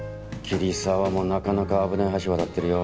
桐沢もなかなか危ない橋渡ってるよ。